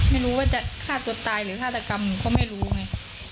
ไม่รู้ว่าจะฆ่าตัวตายหรือฆาตกรรมก็ไม่รู้ไง